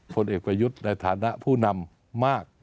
ผลเอกประยุทธ์ในฐานะผู้นำมาก